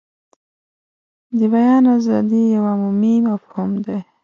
د بیان ازادي یو عمومي مفهوم دی.